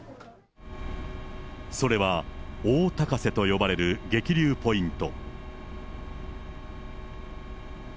それは大高瀬と呼ばれる激流ポイント。